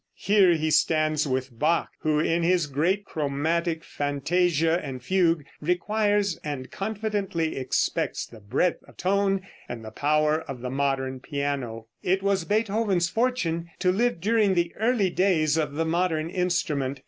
Here he stands with Bach, who in his great Chromatic Fantasia and Fugue requires and confidently expects the breadth of tone and the power of the modern piano. It was Beethoven's fortune to live during the early days of the modern instrument.